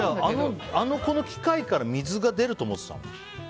あの機械から水が出ると思ってたの？